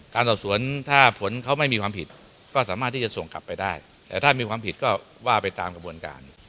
การสอบสวนถ้าผลเขาไม่มีความผิดก็สามารถที่จะส่งกลับไปได้แต่ถ้ามีความผิดก็ว่าไปตามกระบวนการ